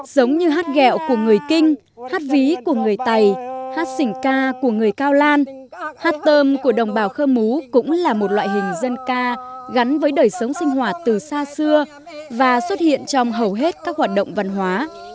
giống như hát gẹo của người kinh hát ví của người tày hát sỉnh ca của người cao lan hát tôm của đồng bào khơ mú cũng là một loại hình dân ca gắn với đời sống sinh hoạt từ xa xưa và xuất hiện trong hầu hết các hoạt động văn hóa